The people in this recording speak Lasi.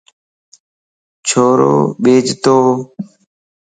ڇورو ٻڃتو